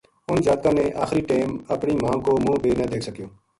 اِنھ جاتکاں نے آخری ٹیم اپنی ماں کو منہ بے نہ دیکھ سکیو